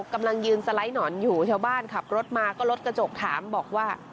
กำลังยืนสไลด์หนอนอยู่ชาวบ้านขับรถมาก็รถกระจกถามบอกว่า